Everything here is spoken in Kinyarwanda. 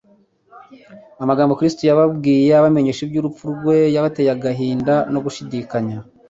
Amagambo Kristo yakoresheje abamenyesha iby'urupfu rwe yabatcye agahinda no gushidikanya.